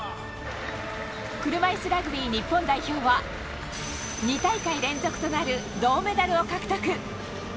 車いすラグビー日本代表は、２大会連続となる銅メダルを獲得。